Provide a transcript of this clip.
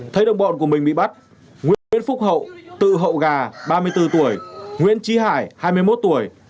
thấy đồng bọn của mình bị bắt nguyễn phúc hậu tự hậu gà ba mươi bốn tuổi nguyễn trí hải hai mươi một tuổi